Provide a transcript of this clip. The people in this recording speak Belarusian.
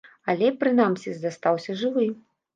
Але, прынамсі, застаўся жывы.